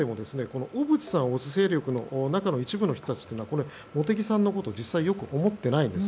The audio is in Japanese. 茂木派の中でも小渕さんを推す勢力の一部の人たちは茂木さんのことを実際は良く思っていないんです。